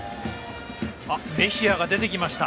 メヒアが出てきました。